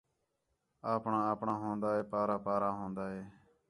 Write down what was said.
اپݨا اپݨا ہون٘دا ہے پارا پارا ہون٘دا ہے